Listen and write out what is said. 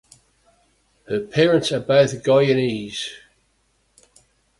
Her parents are both Guyanese.